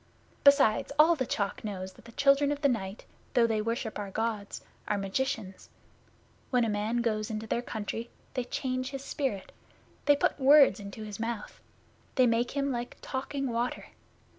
Besides, all the Chalk knows that the Children of the Night, though they worship our Gods, are magicians. When a man goes into their country, they change his spirit; they put words into his mouth; they make him like talking water.